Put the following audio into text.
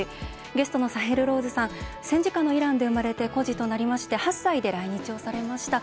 ゲストのサヘル・ローズさん戦時下のイランで生まれて孤児となり８歳で来日をされました。